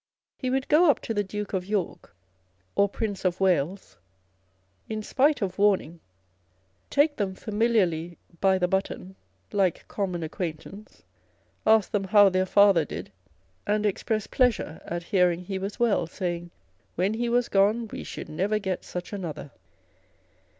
He would go up fo the Duke of York, or Prince of Wales (in spite of warning), take them familiarly by the button like common acquaintance, ask them how their father did ; and express pleasure at hearing he was well, saying, u when he was gone, we should never get such another."